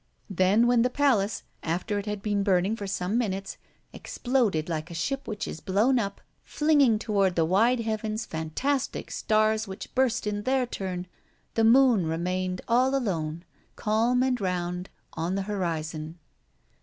Then, when the palace, after it had been burning for some minutes, exploded like a ship which is blown up, flinging toward the wide heavens fantastic stars which burst in their turn, the moon remained all alone, calm and round, on the horizon.